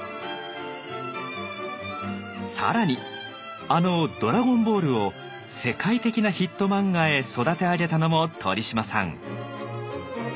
更にあの「ドラゴンボール」を世界的なヒット漫画へ育て上げたのも鳥嶋さん。